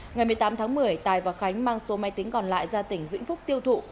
ngày một mươi tám tháng một mươi tài và khánh mang số máy tính còn lại ra tỉnh vĩnh phúc tiêu thụ